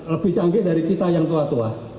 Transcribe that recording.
lebih canggih dari kita yang tua tua